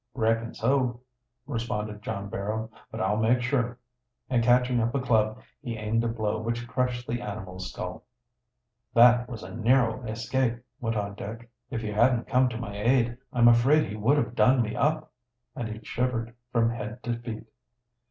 "Reckon so," responded John Barrow. "But I'll make sure." And catching up a club, he aimed a blow which crushed the animal's skull. "That was a narrow escape," went on Dick. "If you hadn't come to my aid, I'm afraid he would have done me up." And he shivered from head to foot.